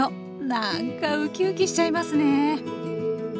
なんかウキウキしちゃいますね